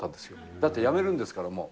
だってやめるんですから、もう。